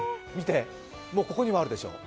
ここにもあるでしょう？